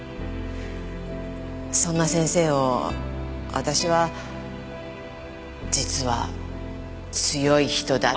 そんな先生を私は実は強い人だって。